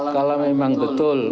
kalau memang betul